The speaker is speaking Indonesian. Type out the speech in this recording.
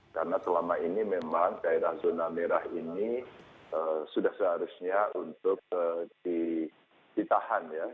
karena selama ini memang daerah zona merah ini sudah seharusnya untuk ditahan ya